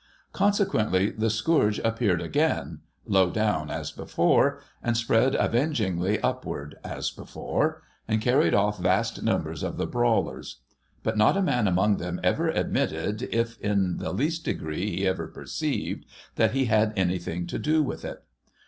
Consequently the scourge appeared again — low down as before — and spread avengingly upward as before, and carried oft' vast numbers of the brawlers. But not a man among them ever admitted, if in the least degree he ever perceived, that he had anything to do with it.